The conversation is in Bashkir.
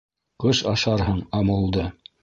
Ҡыш ашарһың амулды.